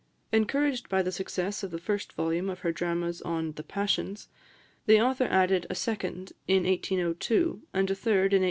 " Encouraged by the success of the first volume of her dramas on the "Passions," the author added a second in 1802, and a third in 1812.